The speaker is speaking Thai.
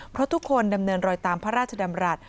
เพราะทุกคนดำเนินรอยตามพระราชดำรัฐ